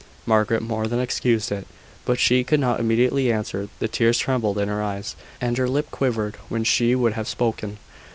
Margaret more than excused it, but she could not immediately answer. The tears trembled in her eyes, and her lip quivered when she would have spoken.